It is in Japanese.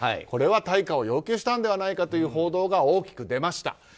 これは対価を要求したのではないかという報道が大きく出ました。